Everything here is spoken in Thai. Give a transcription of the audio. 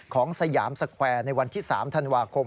สยามสแควร์ในวันที่๓ธันวาคม